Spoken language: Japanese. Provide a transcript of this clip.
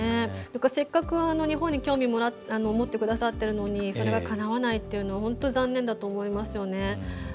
せっかく、日本に興味を持ってくださっているのにそれが、かなわないというのは残念だと思います。